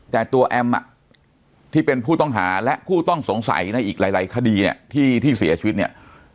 แต่ตัวแอมที่เป็นผู้ต้องหาและผู้ต้องสงสัยในอีกหลายคดีเนี่ยที่เสียชีวิตเนี่ย